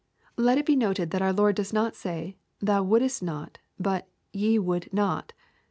145 Let it be noted that our Lord doos not say, " thou wouldest not," but " ye would not."